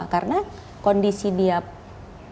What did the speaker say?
karena kondisi dia pucatnya atau sehatnya